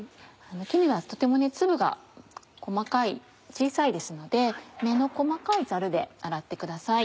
キヌアはとても粒が細く小さいですので目の細かいザルで洗ってください。